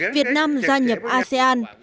việt nam gia nhập asean